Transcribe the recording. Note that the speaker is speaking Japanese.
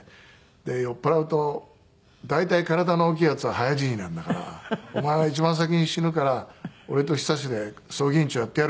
で酔っ払うと「大体体の大きいヤツは早死になんだからお前は一番先に死ぬから俺と寿で葬儀委員長やってやるから」